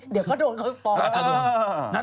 เดี๋ยวพอโดนความฟ้าล่ะ